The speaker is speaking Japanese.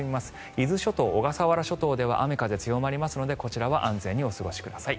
伊豆諸島、小笠原諸島では雨風強まりますのでこちらは安全にお過ごしください。